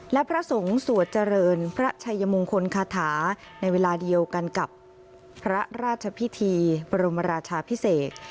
และพระสงฆ์สวดเจริญพระชัยมงคลคาถาในเวลาเดียวกันกับพระราชพิธีบรมราชาพิเศษ